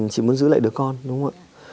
chị muốn giữ lại đứa con đúng không ạ